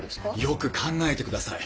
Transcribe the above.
よく考えてください。